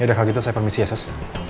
yaudah kalau gitu saya permisi ya sos